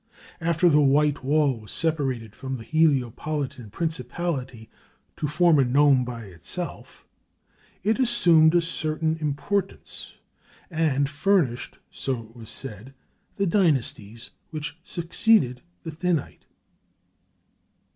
After the "white wall" was separated from the Heliopolitan principality to form a nome by itself it assumed a certain importance, and furnished, so it was said, the dynasties which succeeded the Thinite.